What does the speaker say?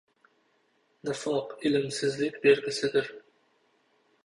— Nifoq ilmsizlik belgisidir.